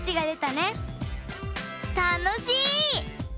たのしい！